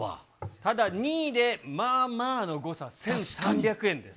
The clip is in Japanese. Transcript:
ただ２位で、まあまあの誤差、１３００円です。